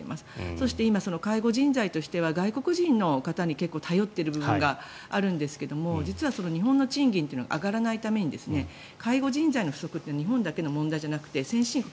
そして今、介護人材としては外国人の方に結構頼っている部分があるんですが実は、日本の賃金というのは上がらないために介護人材の不足って日本だけの問題じゃなくて先進国